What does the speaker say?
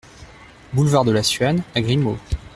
Boulevard de la Suane à Grimaud